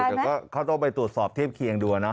แต่ก็เขาต้องไปตรวจสอบเทียบเคียงดูแล้วนะ